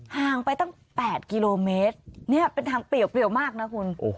ห่างไปตั้ง๘กิโลเมตรเนี่ยเป็นทางเปรียวมากนะคุณ